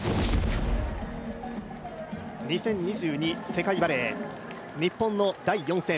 ２０２２世界バレー、日本の第４戦。